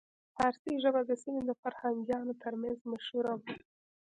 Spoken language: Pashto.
پارسي ژبه د سیمې د فرهنګیانو ترمنځ مشهوره وه